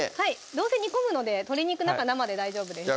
どうせ煮込むので鶏肉中生で大丈夫です